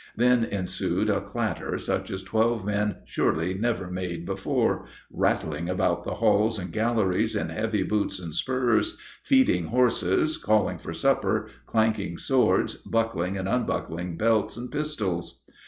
Then ensued a clatter such as twelve men surely never made before rattling about the halls and galleries in heavy boots and spurs, feeding horses, calling for supper, clanking swords, buckling and unbuckling belts and pistols.